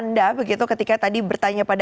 anda begitu ketika tadi bertanya pada